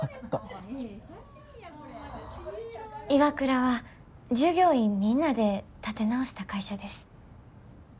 ＩＷＡＫＵＲＡは従業員みんなで立て直した会社です。